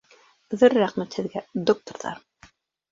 — Ҙур рәхмәт һеҙгә, докторҙарым!